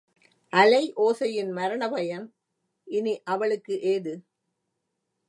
அலைஓசையின் மரணபயம் இனி அவளுக்கு ஏது?